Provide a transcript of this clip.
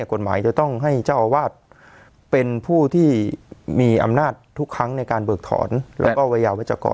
กฎหมายจะต้องให้เจ้าอาวาสเป็นผู้ที่มีอำนาจทุกครั้งในการเบิกถอนแล้วก็วัยยาวัชกร